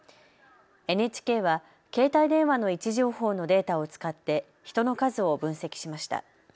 ＮＨＫは携帯電話の位置情報のデータを使って人の数を分析しました。